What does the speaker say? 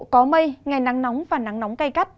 có mây ngày nắng nóng và nắng nóng cay gắt